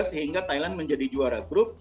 sehingga thailand menjadi juara grup